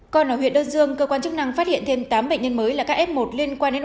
còn ở huyện đơn dương cơ quan chức năng phát hiện thêm tám bệnh nhân mới là các f một liên quan đến năm một